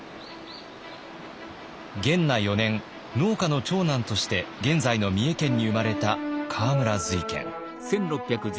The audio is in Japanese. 元和４年農家の長男として現在の三重県に生まれた河村瑞賢。